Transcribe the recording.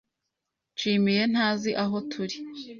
Nshimiye ntazi aho turi.